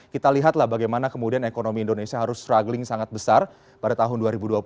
kita lihat lah bagaimana kemudian ekonomi indonesia harus struggling sangat besar pada tahun dua ribu dua puluh dua ribu dua puluh satu